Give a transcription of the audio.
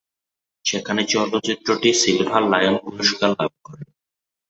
সেখানে চলচ্চিত্রটি silver lion পুরস্কার লাভ করে।